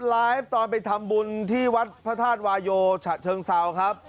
ไลฟ์ตอนไปทำบุญที่วัดพระธาตุวายโยฉะเชิงเซาครับ